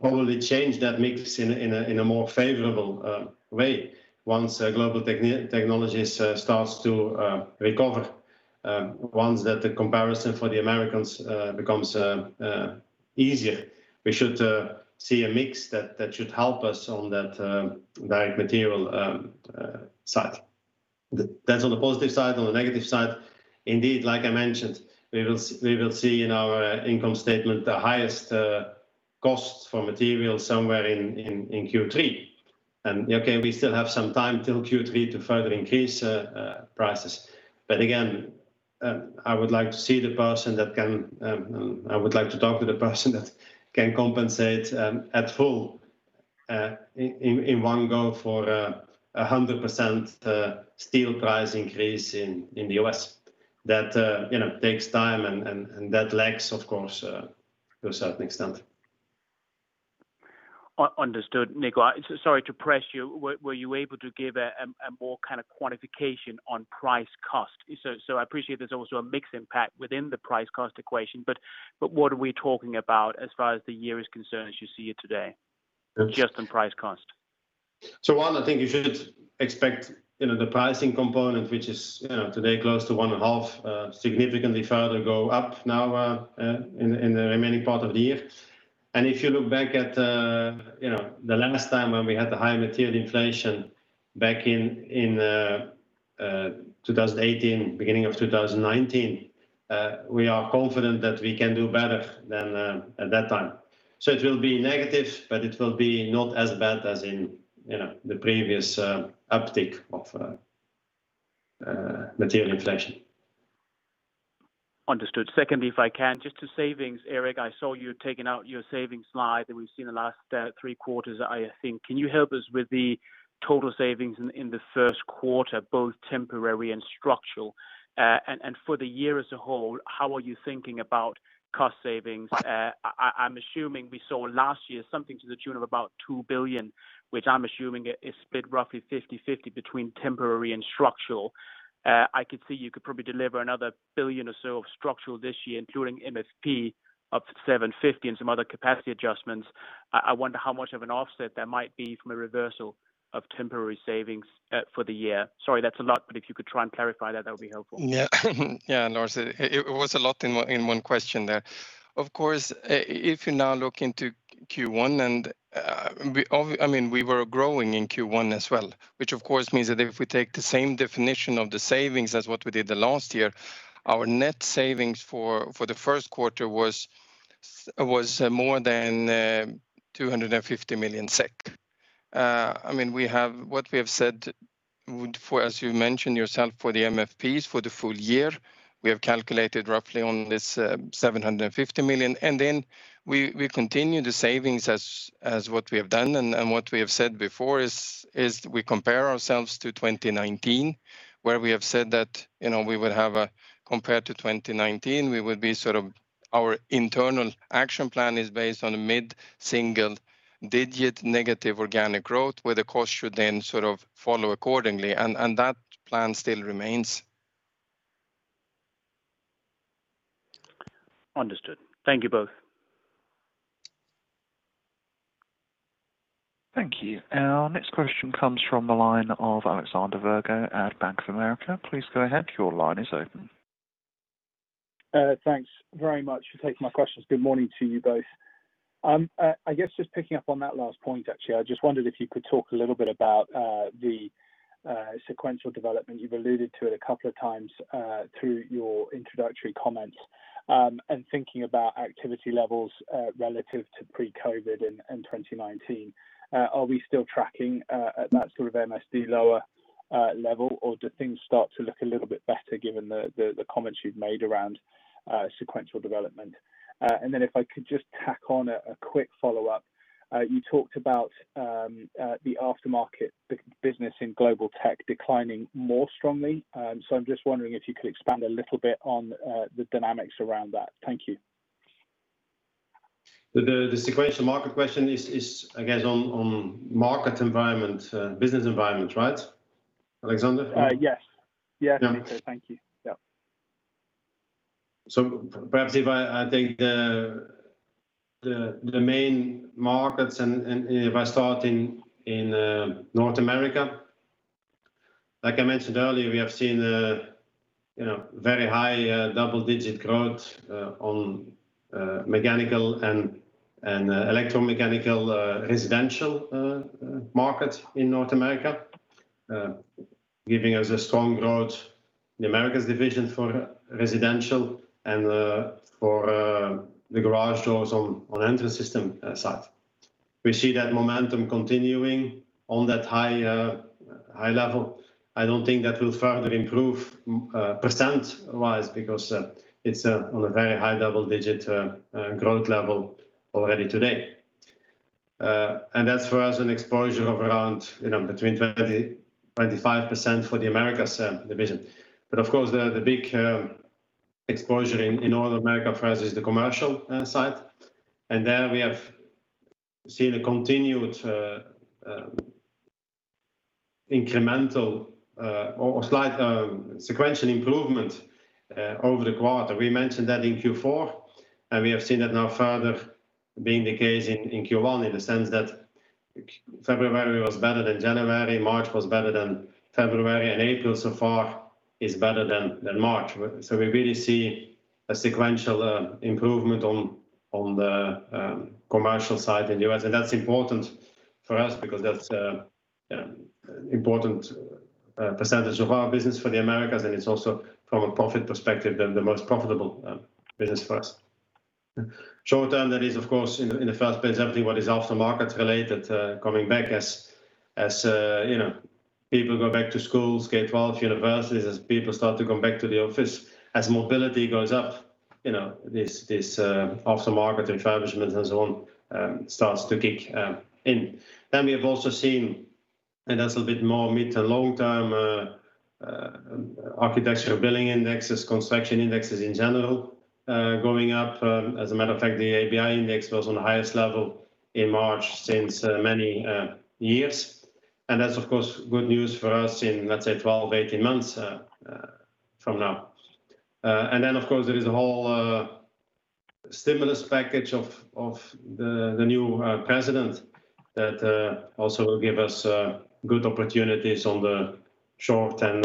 probably change that mix in a more favorable way once Global Technologies starts to recover. Once that the comparison for the Americas becomes easier, we should see a mix that should help us on that direct material side. That's on the positive side. On the negative side, indeed, like I mentioned, we will see in our income statement the highest costs for materials somewhere in Q3. Okay, we still have some time till Q3 to further increase prices. Again, I would like to talk to the person that can compensate at full in one go for 100% steel price increase in the U.S. That takes time, and that lags, of course, to a certain extent. Understood. Nico, sorry to press you. Were you able to give a more kind of quantification on price cost? I appreciate there's also a mixed impact within the price cost equation, what are we talking about as far as the year is concerned, as you see it today? Yes Just on price cost? One, I think you should expect the pricing component, which is today close to one and a half, significantly further go up now in the remaining part of the year. If you look back at the last time when we had the high material inflation back in 2018, beginning of 2019, we are confident that we can do better than at that time. It will be negative, but it will be not as bad as in the previous uptick of material inflation. Understood. Secondly, if I can, just to savings. Erik, I saw you'd taken out your savings slide that we've seen the last three quarters, I think. Can you help us with the total savings in the first quarter, both temporary and structural? For the year as a whole, how are you thinking about cost savings? I'm assuming we saw last year something to the tune of about 2 billion, which I'm assuming is split roughly 50/50 between temporary and structural. I could see you could probably deliver another 1 billion or so of structural this year, including MFP of 750 and some other capacity adjustments. I wonder how much of an offset there might be from a reversal of temporary savings for the year. Sorry, that's a lot, but if you could try and clarify that would be helpful. Yeah. Yeah, Lars, it was a lot in one question there. If you now look into Q1, we were growing in Q1 as well, which of course means that if we take the same definition of the savings as what we did the last year, our net savings for the first quarter was more than 250 million SEK. What we have said, as you mentioned yourself, for the MFPs for the full year, we have calculated roughly on this 750 million. We continue the savings as what we have done and what we have said before is we compare ourselves to 2019 where we have said that compared to 2019, our internal action plan is based on a mid single-digit negative organic growth, where the cost should then follow accordingly, and that plan still remains. Understood. Thank you both. Thank you. Our next question comes from the line of Alexander Virgo at Bank of America. Please go ahead. Thanks very much for taking my questions. Good morning to you both. I guess just picking up on that last point, actually, I just wondered if you could talk a little bit about the sequential development. You've alluded to it a couple of times through your introductory comments. Thinking about activity levels relative to pre-COVID in 2019, are we still tracking at that sort of MSD lower level, or do things start to look a little bit better given the comments you've made around sequential development? If I could just tack on a quick follow-up. You talked about the aftermarket business in Global Technologies declining more strongly. I'm just wondering if you could expand a little bit on the dynamics around that. Thank you. The sequential market question is, I guess on market environment, business environment, right, Alexander? Yes. Yeah. Thank you. Yeah. Perhaps if I take the main markets and if I start in North America, like I mentioned earlier, we have seen very high double-digit growth on mechanical and electromechanical residential market in North America, giving us a strong growth in the Americas division for residential and for the garage doors on Entrance Systems side. We see that momentum continuing on that high level. I don't think that will further improve percent-wise because it's on a very high double-digit growth level already today. That's for us an exposure of around between 20%-25% for the Americas division. Of course, the big exposure in North America for us is the commercial side. There, we have seen a continued incremental or slight sequential improvement over the quarter. We mentioned that in Q4, and we have seen that now further being the case in Q1, in the sense that February was better than January, March was better than February, and April so far is better than March. We really see a sequential improvement on the commercial side in the U.S., and that's important for us because that's an important percentage of our business for the Americas, and it's also from a profit perspective, the most profitable business for us. Short-term that is, of course, in the first place, everything what is after-market related coming back as people go back to schools, K-12, universities, as people start to come back to the office, as mobility goes up, this after-market refurbishment and so on starts to kick in. We have also seen, and that's a bit more mid to long-term Architecture Billings Index, construction indexes in general going up. As a matter of fact, the ABI index was on the highest level in March since many years, and that's, of course, good news for us in, let's say, 12, 18 months from now. Of course, there is a whole stimulus package of the new president that also will give us good opportunities on the short and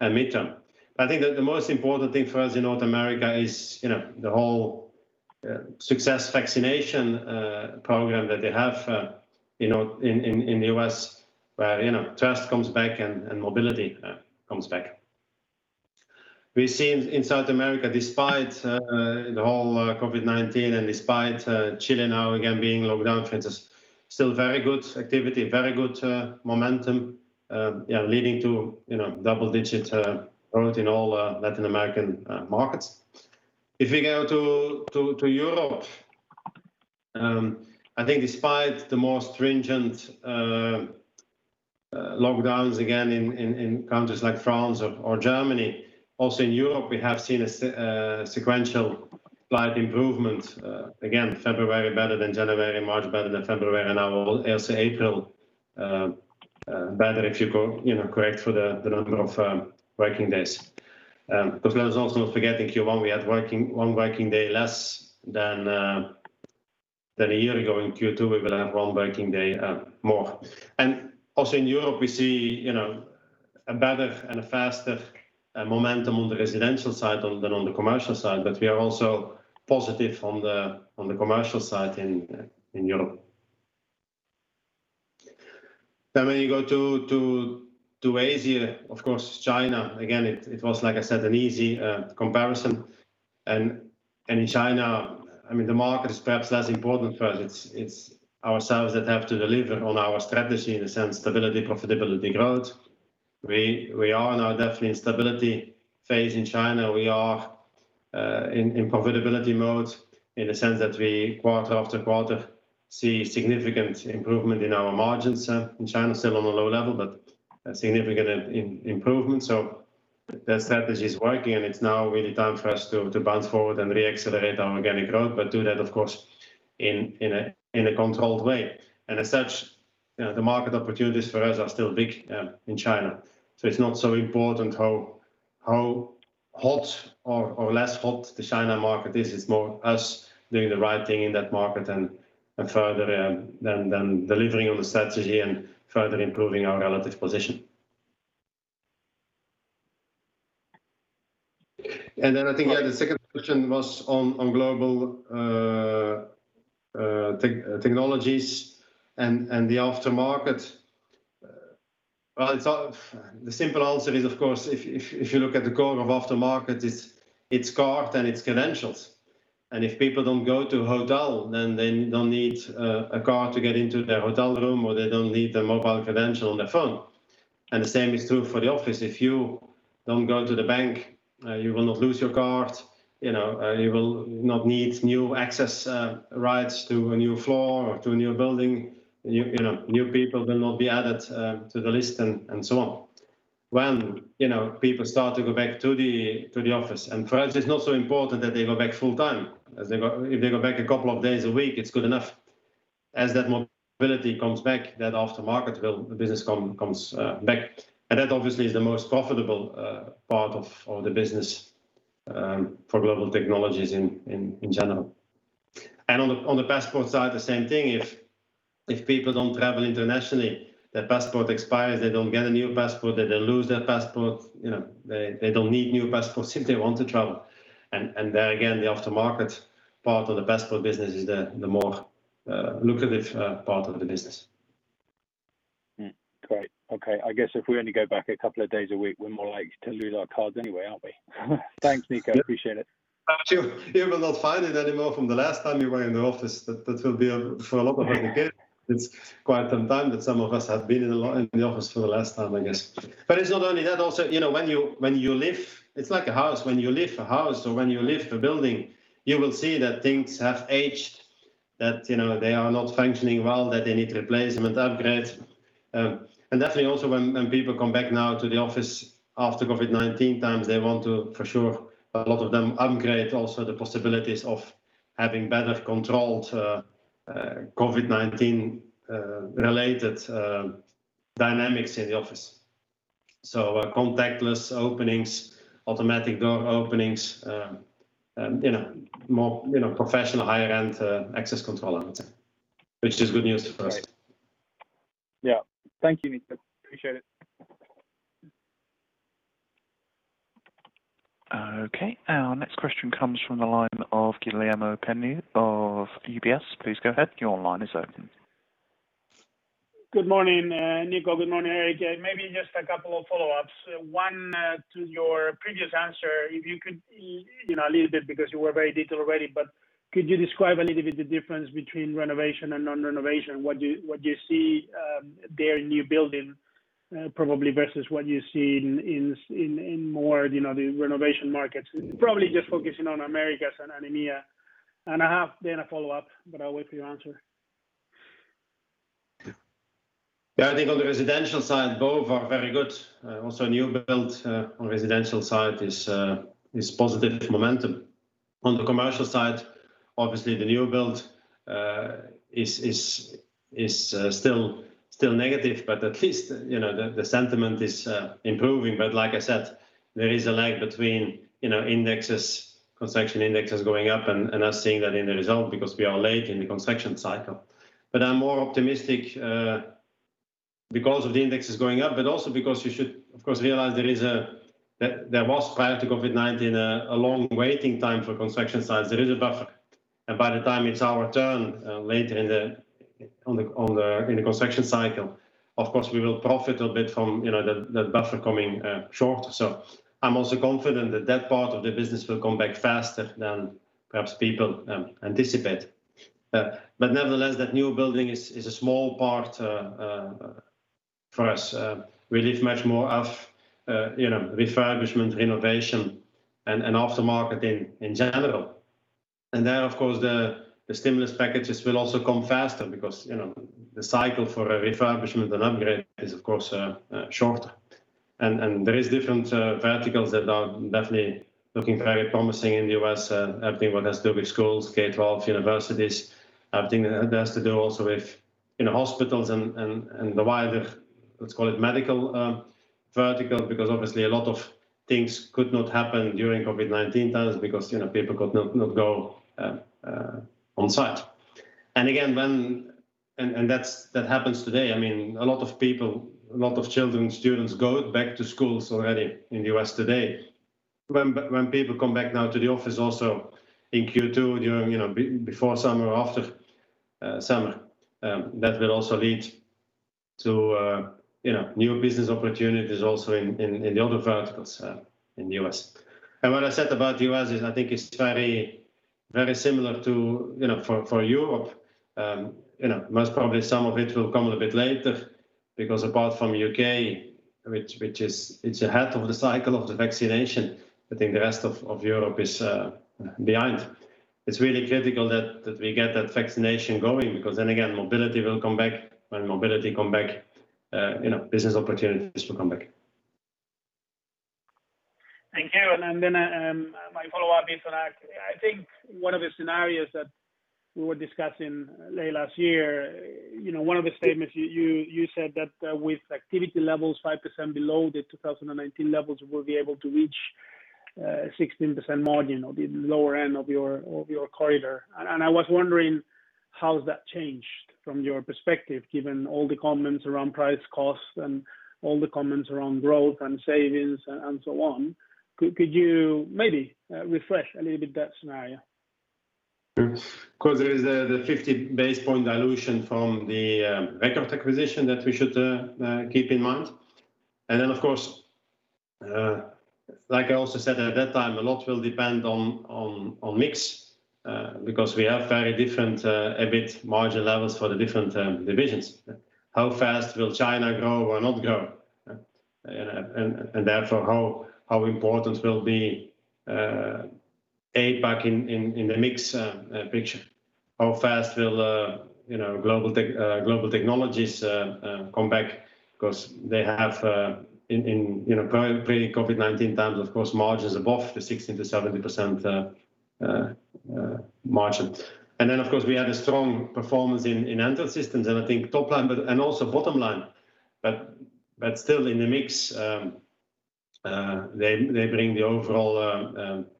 mid-term. I think that the most important thing for us in North America is the whole success vaccination program that they have in U.S. where trust comes back and mobility comes back. We've seen in South America, despite the whole COVID-19 and despite Chile now again being locked down, for instance, still very good activity, very good momentum leading to double-digit growth in all Latin American markets. If we go to Europe, I think, despite the more stringent lockdowns again in countries like France or Germany, also in Europe, we have seen a sequential slight improvement. February better than January, March better than February, and now also April better if you correct for the number of working days. Let's also not forget in Q1, we had one working day less than a year ago. In Q2, we will have one working day more. Also in Europe, we see a better and a faster momentum on the residential side than on the commercial side, but we are also positive on the commercial side in Europe. When you go to Asia, of course, China, again, it was, like I said, an easy comparison. In China, the market is perhaps less important for us. It's ourselves that have to deliver on our strategy in the sense of stability, profitability, growth. We are now definitely in stability phase in China. We are in profitability mode in the sense that we quarter after quarter see significant improvement in our margins in China. Still on a low level, but a significant improvement. The strategy is working, and it's now really time for us to bounce forward and re-accelerate our organic growth. Do that, of course, in a controlled way. As such, the market opportunities for us are still big in China. It's not so important how hot or less hot the China market is. It's more us doing the right thing in that market and further than delivering on the strategy and further improving our relative position. Then I think the second question was on Global Technologies and the aftermarket. Well, the simple answer is, of course, if you look at the core of aftermarket, it's card and it's credentials. If people don't go to a hotel, then they don't need a card to get into their hotel room, or they don't need their mobile credential on their phone. The same is true for the office. If you don't go to the bank, you will not lose your card. You will not need new access rights to a new floor or to a new building. New people will not be added to the list and so on. When people start to go back to the office, and for us, it's not so important that they go back full time. If they go back a couple of days a week, it's good enough. As that mobility comes back, that aftermarket business comes back. That obviously is the most profitable part of the business for Global Technologies in general. On the passport side, the same thing. If people don't travel internationally, their passport expires, they don't get a new passport, they don't lose their passport. They don't need new passports if they want to travel. There again, the aftermarket part of the passport business is the more lucrative part of the business. Great. Okay. I guess if we only go back a couple of days a week, we're more likely to lose our cards anyway, aren't we? Thanks, Nico. Appreciate it. You will not find it anymore from the last time you were in the office. That will be for a lot of us again, it's quite some time that some of us have been in the office for the last time, I guess. It's not only that. Also, it's like a house. When you leave a house or when you leave a building, you will see that things have aged, that they are not functioning well, that they need replacement, upgrade. Definitely also when people come back now to the office after COVID-19 times, they want to, for sure, a lot of them upgrade also the possibilities of having better controlled COVID-19 related dynamics in the office. Contactless openings, automatic door openings, more professional, higher-end access control, I would say, which is good news for us. Great. Yeah. Thank you, Nico. Appreciate it. Okay, our next question comes from the line of Guillermo Peigneux of UBS. Please go ahead. Your line is open. Good morning, Nico. Good morning, Erik. Maybe just a couple of follow-ups. One to your previous answer, if you could, a little bit, because you were very detailed already, but could you describe a little bit the difference between renovation and non-renovation? What do you see there in new building, probably versus what you see in more the renovation markets? Probably just focusing on Americas and EMEA. I have then a follow-up, but I'll wait for your answer. Yeah, I think on the residential side, both are very good. New build on the residential side is positive momentum. On the commercial side, obviously the new build is still negative, but at least the sentiment is improving. Like I said, there is a lag between construction indexes going up and us seeing that in the result because we are late in the construction cycle. I'm more optimistic because of the indexes going up, but also because you should, of course, realize there was, prior to COVID-19, a long waiting time for construction sites. There is a buffer. By the time it's our turn later in the construction cycle, of course, we will profit a bit from that buffer coming short. I'm also confident that that part of the business will come back faster than perhaps people anticipate. Nevertheless, that new building is a small part for us. We live much more of refurbishment, renovation, and aftermarket in general. There, of course, the stimulus packages will also come faster because the cycle for a refurbishment and upgrade is, of course, shorter. There are different verticals that are definitely looking very promising in the U.S. Everything what has to do with schools, K-12, universities, everything that has to do also with hospitals and the wider, let's call it medical vertical. Because obviously, a lot of things could not happen during COVID-19 times because people could not go on-site. Again, that happens today. A lot of people, a lot of children, students go back to schools already in the U.S. today. When people come back now to the office, also in Q2, during before summer, after summer, that will also lead to new business opportunities also in the other verticals in the U.S. What I said about U.S. is, I think is very similar for Europe. Most probably some of it will come a little bit later because apart from U.K., which it's ahead of the cycle of the vaccination, I think the rest of Europe is behind. It's really critical that we get that vaccination going because then again, mobility will come back. When mobility come back, business opportunities will come back. Thank you. Then my follow-up is on that. I think one of the scenarios that we were discussing late last year, one of the statements you said that with activity levels 5% below the 2019 levels, we'll be able to reach a 16% margin or the lower end of your corridor. I was wondering how has that changed from your perspective, given all the comments around price costs and all the comments around growth and savings and so on. Could you maybe refresh a little bit that scenario? Of course, there is the 50-basis-point dilution from the record acquisition that we should keep in mind. Of course, like I also said at that time, a lot will depend on mix, because we have very different EBIT margin levels for the different divisions. How fast will China grow or not grow? How important will be HID back in the mix picture? How fast will Global Technologies come back? They have in pre-COVID-19 times, of course, margins above the 16%-17% margin. Of course, we had a strong performance in Entrance Systems, and I think top line and also bottom line. Still in the mix, they bring the overall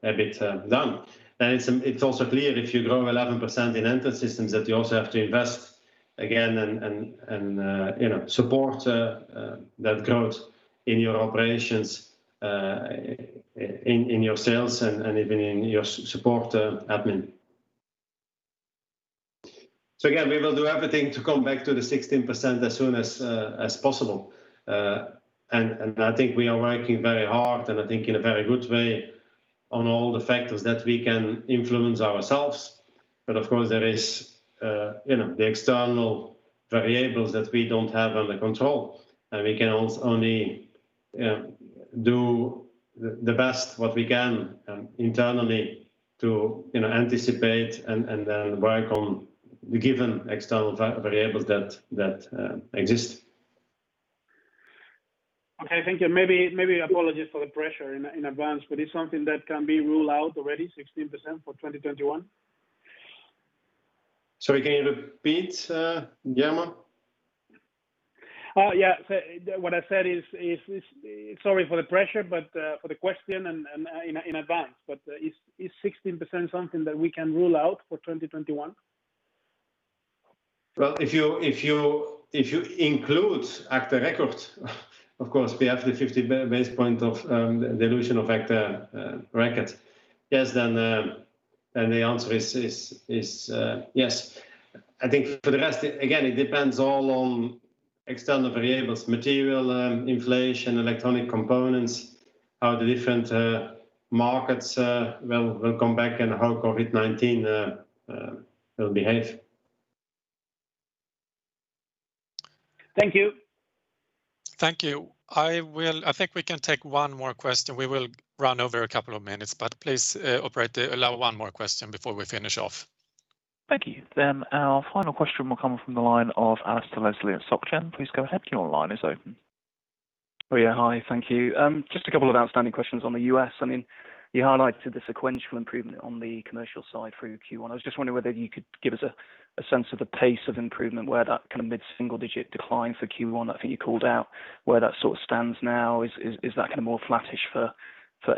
EBIT down. It's also clear if you grow 11% in Entrance Systems, that you also have to invest again and support that growth in your operations, in your sales, and even in your support admin. Again, we will do everything to come back to the 16% as soon as possible. I think we are working very hard, and I think in a very good way on all the factors that we can influence ourselves. Of course, there is the external variables that we don't have under control, and we can also only do the best what we can internally to anticipate and then work on the given external variables that exist. Okay, thank you. Maybe apologies for the pressure in advance, but it's something that can be ruled out already, 16% for 2021? Sorry, can you repeat, Guillermo? Yeah. What I said is, sorry for the pressure, but for the question and in advance. Is 16% something that we can rule out for 2021? Well, if you include agta record, of course, we have the 50 basis points of dilution of agta record. Yes, then the answer is yes. I think for the rest, again, it depends all on external variables, material inflation, electronic components, how the different markets will come back, and how COVID-19 will behave. Thank you. Thank you. I think we can take one more question. We will run over a couple of minutes, but please, operator, allow one more question before we finish off. Thank you. Our final question will come from the line of Alasdair Leslie at SocGen. Please go ahead. Your line is open. Oh, yeah. Hi. Thank you. Just a couple of outstanding questions on the U.S. You highlighted the sequential improvement on the commercial side through Q1. I was just wondering whether you could give us a sense of the pace of improvement, where that mid single-digit decline for Q1, I think you called out, where that sort of stands now. Is that more flattish for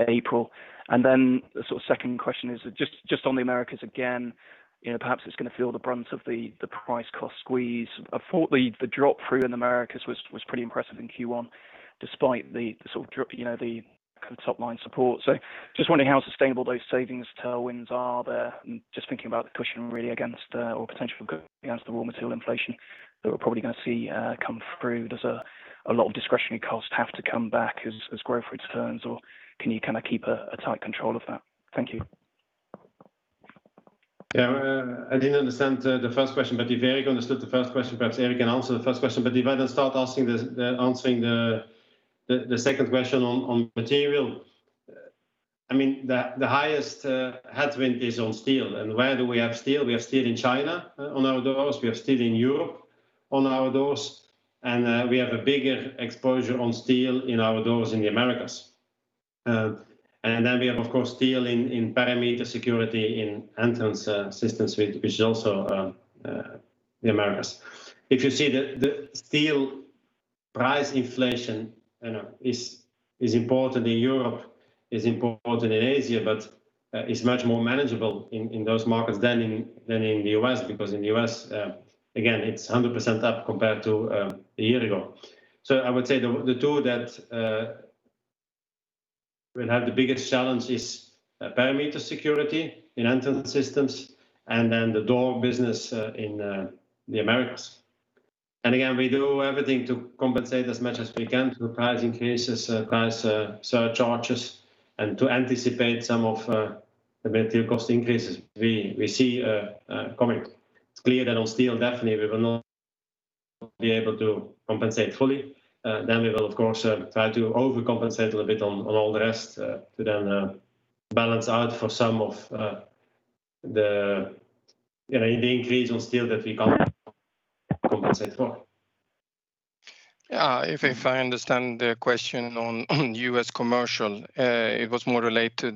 April? Then the second question is just on the Americas again, perhaps it's going to feel the brunt of the price cost squeeze. I thought the drop through in the Americas was pretty impressive in Q1, despite the drop, the top-line support. Just wondering how sustainable those savings tailwinds are there. Just thinking about the cushion really against or potential against the raw material inflation that we're probably going to see come through. Does a lot of discretionary cost have to come back as growth returns, or can you keep a tight control of that? Thank you. Yeah. I didn't understand the first question, but if Erik understood the first question, perhaps Erik can answer the first question. If I then start answering the second question on material. The highest headwind is on steel. Where do we have steel? We have steel in China on our doors, we have steel in Europe on our doors, and we have a bigger exposure on steel in our doors in the Americas. Then we have, of course, steel in perimeter security in Entrance Systems, which is also the Americas. If you see the steel price inflation is important in Europe, is important in Asia, but is much more manageable in those markets than in the U.S., because in the U.S., again, it's 100% up compared to a year ago. I would say the two that will have the biggest challenge is perimeter security in Entrance Systems, and the door business in the Americas. Again, we do everything to compensate as much as we can through price increases, price surcharges, and to anticipate some of the material cost increases we see coming. It's clear that on steel, definitely we will not be able to compensate fully. We will, of course, try to overcompensate a little bit on all the rest to then balance out for some of the increase on steel that we can't compensate for. If I understand the question on U.S. commercial, it was more related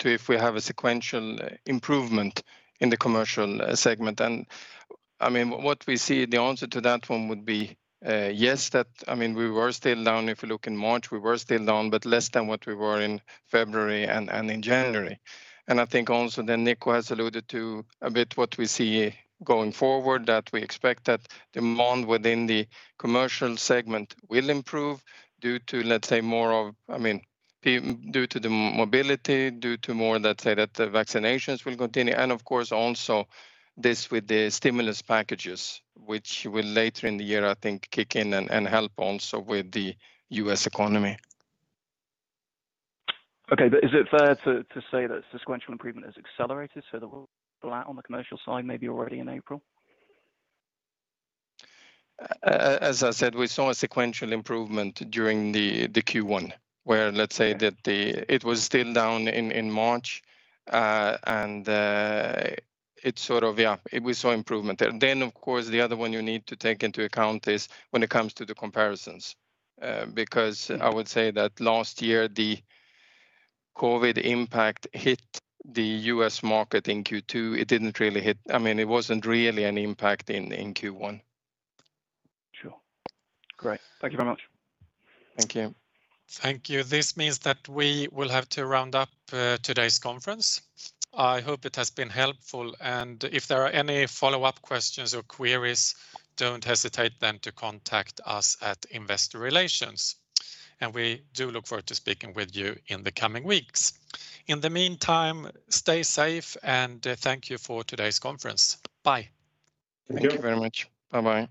to if we have a sequential improvement in the commercial segment. What we see, the answer to that one would be yes. We were still down if you look in March, we were still down, but less than what we were in February and in January. I think also then Nico has alluded to a bit what we see going forward, that we expect that demand within the commercial segment will improve due to the mobility, due to more that the vaccinations will continue, and of course, also this with the stimulus packages, which will later in the year, I think, kick in and help also with the U.S. economy. Okay. Is it fair to say that sequential improvement has accelerated so that we'll be flat on the commercial side maybe already in April? As I said, we saw a sequential improvement during the Q1, where let's say that it was still down in March. We saw improvement there. Of course, the other one you need to take into account is when it comes to the comparisons. Because I would say that last year the COVID-19 impact hit the U.S. market in Q2. It wasn't really an impact in Q1. Sure. Great. Thank you very much. Thank you. Thank you. This means that we will have to round up today's conference. I hope it has been helpful, and if there are any follow-up questions or queries, don't hesitate then to contact us at Investor Relations. We do look forward to speaking with you in the coming weeks. In the meantime, stay safe, and thank you for today's conference. Bye. Thank you. Thank you very much. Bye-bye.